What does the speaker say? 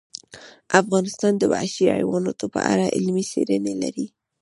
افغانستان د وحشي حیواناتو په اړه علمي څېړنې لري.